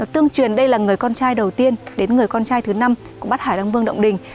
tương truyền đây là người con trai đầu tiên đến người con trai thứ năm của bát hải đăng vương động đình